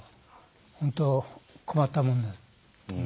本当、困ったもんです。